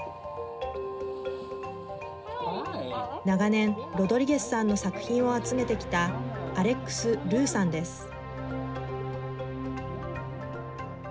長年、ロドリゲスさんの作品を集めてきたアレックス・ルーさんです。